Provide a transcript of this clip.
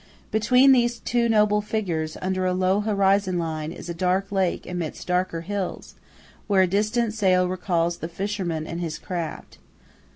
Between these two noble figures, under a low horizon line, is a dark lake amidst darker hills, where a distant sail recalls the fisherman and his craft.